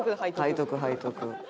背徳背徳。